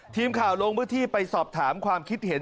ทีมข่าวลงพื้นที่ไปสอบถามความคิดเห็น